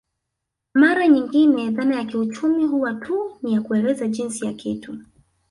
Mara nyingine dhana ya kiuchumi huwa tu ni ya kueleza jinsi ya kitu